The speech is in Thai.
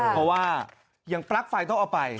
เพราะว่าอย่างปลั๊กไฟต้องเอาไป